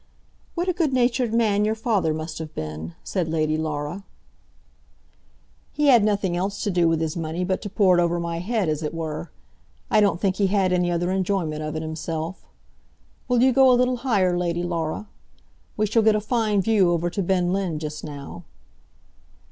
"What a good natured man your father must have been," said Lady Laura. "He had nothing else to do with his money but to pour it over my head, as it were. I don't think he had any other enjoyment of it himself. Will you go a little higher, Lady Laura? We shall get a fine view over to Ben Linn just now."